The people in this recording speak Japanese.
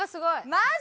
マジ！？